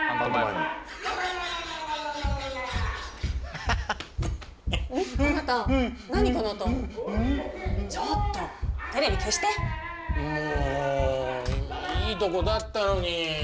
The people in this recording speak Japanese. もういいとこだったのに。